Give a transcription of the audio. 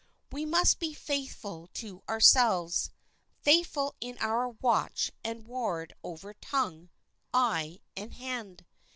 We must be faithful to ourselves, faithful in our watch and ward over tongue, eye, and hand.